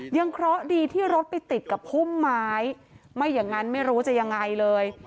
เคราะห์ดีที่รถไปติดกับพุ่มไม้ไม่อย่างนั้นไม่รู้จะยังไงเลย